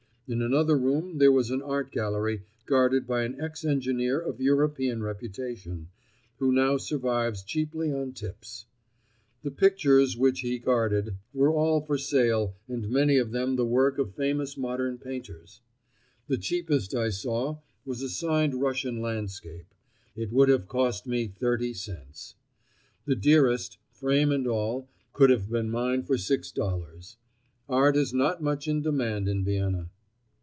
In another room there was an art gallery, guarded by an ex engineer of European reputation, who now survives chiefly on tips. The pictures which he guarded were all for sale and many of them the work of famous modern painters. The cheapest I saw was a signed Russian landscape; it would have cost me thirty cents. The dearest, frame and all, could have been mine for six dollars. Art is not much in demand in Vienna.